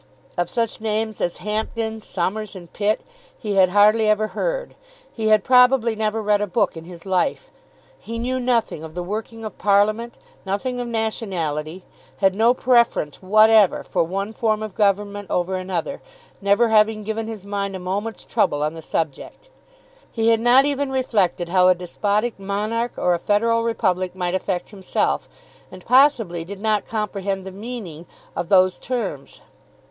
Of such names as Hampden, Somers, and Pitt he had hardly ever heard. He had probably never read a book in his life. He knew nothing of the working of parliament, nothing of nationality, had no preference whatever for one form of government over another, never having given his mind a moment's trouble on the subject. He had not even reflected how a despotic monarch or a federal republic might affect himself, and possibly did not comprehend the meaning of those terms.